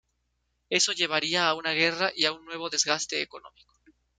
Eso llevaría a una guerra y a un nuevo desgaste económico.